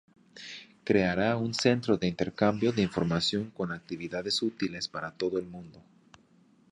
Creará un centro de intercambio de información con actividades útiles para todo el mundo.